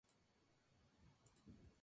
Esta hipótesis no han sido confirmada.